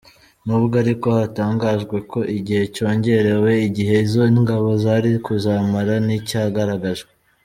Nubwo ariko hatangajwe ko igihe cyongerewe, igihe izo ngabo zari kuzamara nticyagaragajwe.